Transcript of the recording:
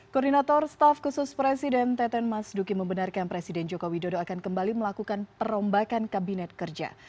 koordinator staff khusus presiden teten mas duki membenarkan presiden joko widodo akan kembali melakukan perombakan kabinet kerja